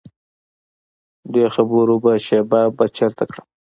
دې خبرو به شیبه بې چرته کړم.